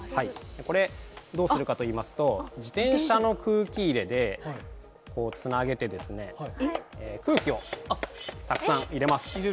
どうするかといいますと自転車の空気入れでつなげて空気をたくさん入れます。